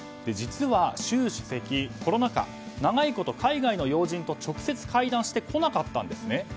実は習主席、コロナ禍長いこと海外の要人と直接会談をしてこなかったんですね。